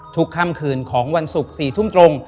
ค่ำคืนของวันศุกร์๔ทุ่มตรง